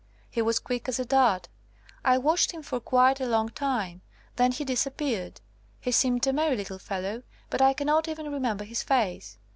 He was quick as a dart. I watched him for quite a long time, then he disappeared. He seemed a merry little fel low, but I cannot ever remember his face.